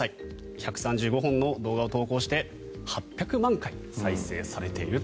１３５本の動画を投稿して８００万回再生されていると。